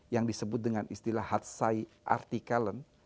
yang disebut dengan istilah hatsai artikalen